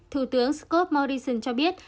thủ tướng scott morrison cho biết